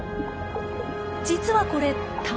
実はこれ卵。